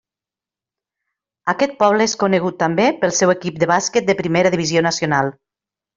Aquest poble és conegut també pel seu equip de bàsquet de primera divisió nacional.